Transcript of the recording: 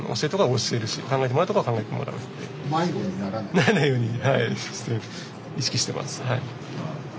ならないように意識してます。